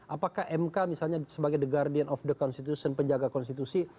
apakah mk misalnya sebagai the guardian of the constitution penjaga konstitusi